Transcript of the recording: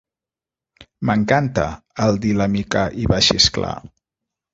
M'encanta! —el dir la Mica i va xisclar.